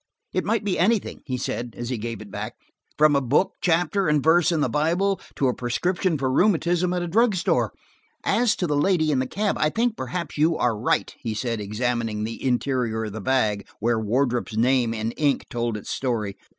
"It might be anything," he said as he gave it back, "from a book, chapter and verse in the Bible to a prescription for rheumatism at a drug store. As to the lady in the cab, I think perhaps you are right," he said, examining the interior of the bag, where Wardrop's name in ink told its story.